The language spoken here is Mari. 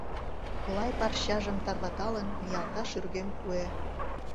Лай парчажым Тарваталын, Ниялта шӱргем куэ.